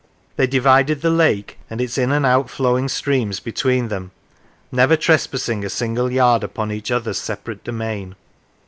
They divided the lake and its in and out flowing streams between them, never trespassing a single yard upon each other's separate domain.